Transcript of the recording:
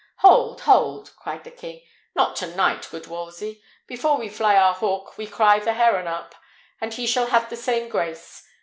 "Hold, hold!" cried the king; "not to night, good Wolsey. Before we fly our hawk we cry the heron up, and he shall have the same grace.